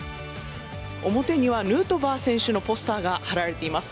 表にはヌートバー選手のポスターが貼られています。